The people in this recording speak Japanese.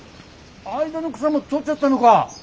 間の草も取っちゃったのか。